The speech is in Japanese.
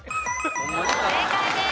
正解です。